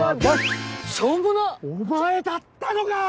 お前だったのか！